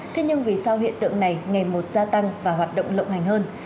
thế nhưng vì sao hiện tượng này ngày một gia tăng và hoạt động lộng hành hơn